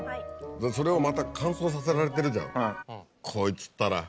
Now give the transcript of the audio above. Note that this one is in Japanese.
それをまた乾燥させられてるじゃん。